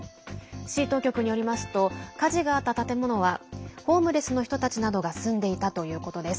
市当局によりますと火事があった建物はホームレスの人たちなどが住んでいたということです。